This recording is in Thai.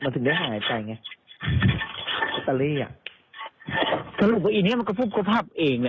มันถึงได้หายใจไงอาจารย์อ่ะสรุปว่าอีกเนี้ยมันก็ภูมิควอภัพเอง